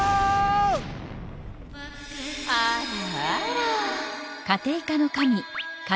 あらあら。